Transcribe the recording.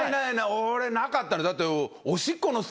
俺なかったねだって。